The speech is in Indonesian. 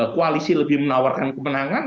koalisi lebih menawarkan kemenangan